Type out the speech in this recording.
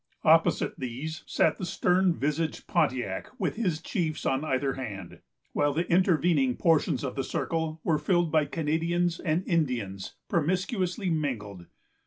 Opposite these sat the stern visaged Pontiac, with his chiefs on either hand, while the intervening portions of the circle were filled by Canadians and Indians promiscuously mingled.